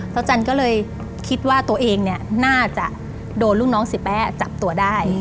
จันก็เลยคิดว่าตัวเองเนี่ยน่าจะโดนลูกน้องเสียแป้จับตัวได้